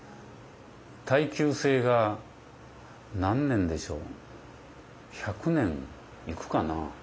耐久性が何年でしょう１００年いくかな？